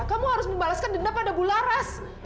kamu harus membalaskan denda pada bularas